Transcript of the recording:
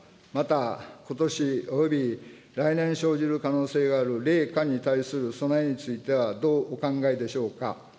また、ことしおよび来年生じる可能性がある冷夏に対する備えについては、どうお考えでしょうか。